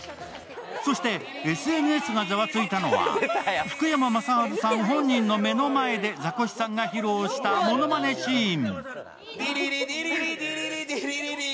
そしてＳＮＳがざわついたのは福山雅治さん本人の目の前でザコシさんが披露したものまねシーン。